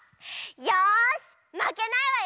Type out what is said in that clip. よしまけないわよ！